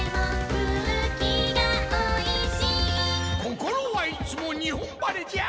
心はいつも日本晴れじゃ。